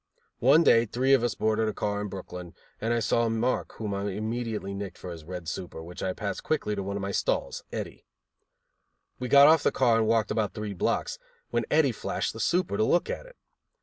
One day three of us boarded a car in Brooklyn and I saw a mark whom I immediately nicked for his red super, which I passed quickly to one of my stalls, Eddy. We got off the car and walked about three blocks, when Eddy flashed the super, to look at it.